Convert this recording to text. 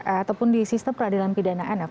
ataupun di sistem peradilan pidana anak